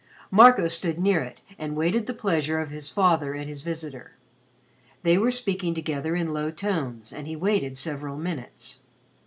Marco stood near it and waited the pleasure of his father and his visitor. They were speaking together in low tones and he waited several minutes.